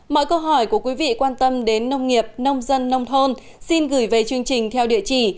mọi câu hỏi của quý vị quan tâm đến nông nghiệp nông dân nông thôn xin gửi về chương trình theo địa chỉ